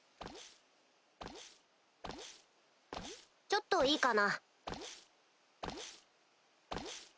ちょっといいかな。